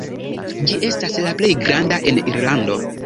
Ĝi estas la plej granda en Irlando.